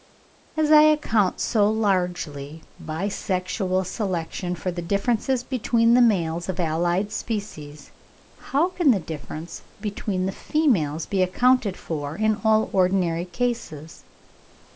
As I account so largely by sexual selection for the differences between the males of allied species, how can the differences between the females be accounted for in all ordinary cases?